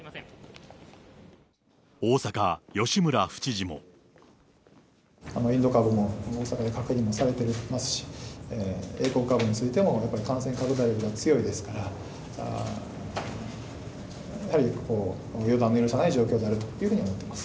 大阪、インド株も大阪で確認されていますし、英国株についても、やっぱり感染拡大力が強いですから、やはり予断を許さない状況であると思っています。